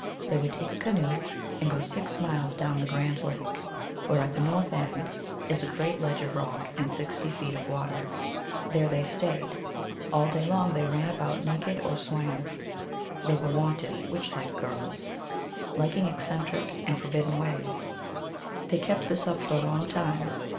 They would take a canoe and go six miles down the Grand Lake, where, at the north end, is a great ledge of rock and sixty feet of water. There they stayed. All day long they ran about naked or swam ; they were wanton, witch like girls, liking ec centric and forbidden ways. They kept this up for a long time.